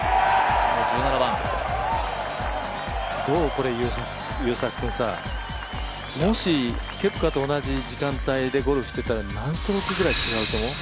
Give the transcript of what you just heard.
これ、もしケプカと同じ時間帯でゴルフしてたら何ストロークぐらい違うと思う？